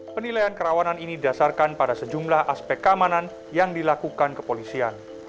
penilaian kerawanan ini dasarkan pada sejumlah aspek keamanan yang dilakukan kepolisian